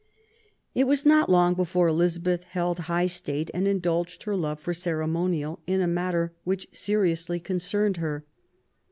It was not long before Elizabeth held high state and indulged her love for ceremonial in a matter which seriously concerned her.